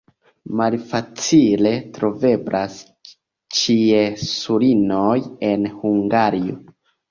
Malfacile troveblas ĉiesulinoj en Hungario.